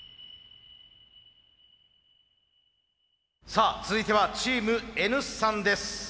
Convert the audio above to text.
さあ続いてはチームＮ産です。